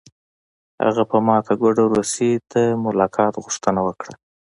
هغه په ماته ګوډه روسي د ملاقات غوښتنه وکړه